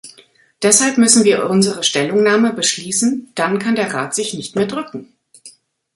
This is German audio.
Deshalb müssen wir unsere Stellungnahme beschließen, dann kann der Rat sich nicht mehr drücken.